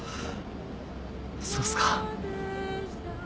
そうっすか